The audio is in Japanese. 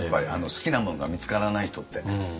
好きなものが見つからない人って。